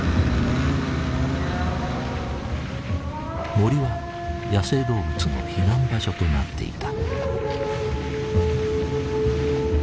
森は野生動物の避難場所となっていた。